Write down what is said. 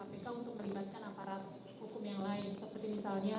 untuk melibatkan aparat hukum yang lain